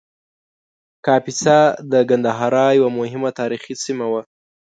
کاپیسا د ګندهارا یوه مهمه تاریخي سیمه وه